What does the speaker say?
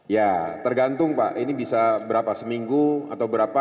ya tergantung pak ini bisa berapa seminggu atau berapa